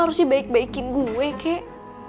harus dibai baikin gue kayak